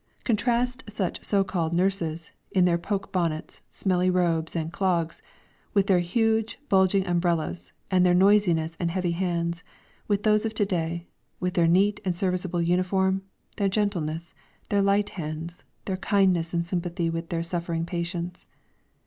Contrast such so called nurses, in their poke bonnets, smelly robes and clogs, with their huge, bulging umbrellas, their noisiness and heavy hands, with those of to day, with their neat and serviceable uniform, their gentleness, their light hands, their kindness and sympathy with their suffering patients.